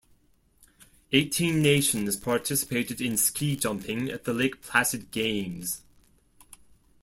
Eighteen nations participated in ski jumping at the Lake Placid Games.